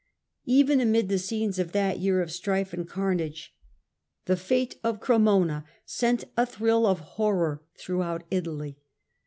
Even amid the scenes of that year of strife and car nage the fate of Cremona sent a thrill of horror through Sad fate of Italy.